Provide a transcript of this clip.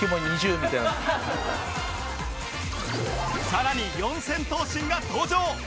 さらに四千頭身が登場！